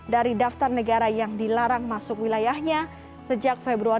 dari daftar negara yang dilarang masuk wilayahnya